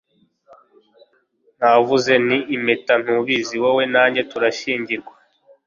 navuze nti impeta. ntubizi? wowe na njye turashyingirwa